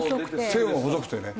線も細くてね。